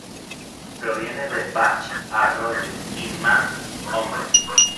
Proviene de "Bach", arroyo, y "Mann", hombre.